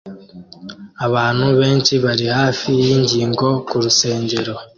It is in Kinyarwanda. Abantu benshi bari hafi yingingo kurusengero